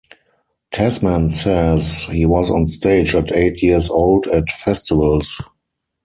Tasman says he was on stage at eight years old at festivals.